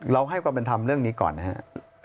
ให้ความเป็นธรรมเรื่องนี้ก่อนนะครับ